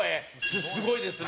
「す、すごいですね」。